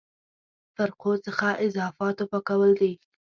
فرقو څخه اضافاتو پاکول دي.